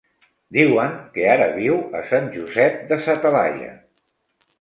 Diuen que ara viu a Sant Josep de sa Talaia.